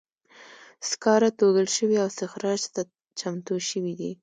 سکاره توږل شوي او استخراج ته چمتو شوي دي.